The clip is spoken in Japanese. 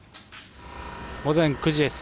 午前９時です。